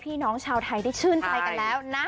พี่น้องชาวไทยสนใจกันได้แล้ว